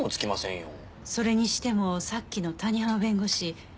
それにしてもさっきの谷浜弁護士